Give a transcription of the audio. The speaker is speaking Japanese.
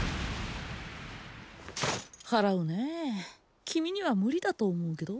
祓うねえ君には無理だと思うけど？